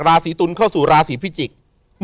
ราศีตุลเข้าสู่ราศีพิจิกษ์